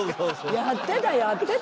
やってた！